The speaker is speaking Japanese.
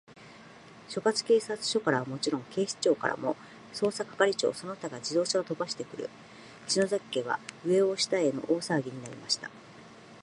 所轄警察署からはもちろん、警視庁からも、捜査係長その他が自動車をとばしてくる、篠崎家は、上を下への大さわぎになりました。